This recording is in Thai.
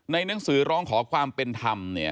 หนังสือร้องขอความเป็นธรรม